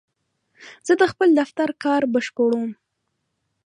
زه د خپل دفتر کار بشپړوم.